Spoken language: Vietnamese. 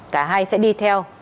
cả hai sẽ đi theo